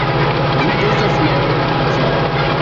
Vi estas malriĉa!